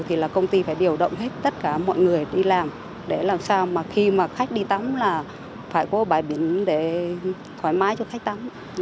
thì là công ty phải điều động hết tất cả mọi người đi làm để làm sao mà khi mà khách đi tắm là phải có bãi biển để thoải mái cho khách tắm